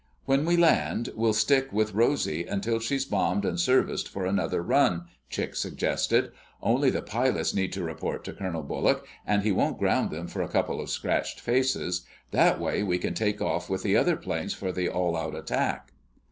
"When we land, we'll stick with Rosy until she's bombed and serviced for another run," Chick suggested. "Only the pilots need to report to Colonel Bullock, and he won't ground them for a couple of scratched faces. That way, we can take off with the other planes for the all out attack."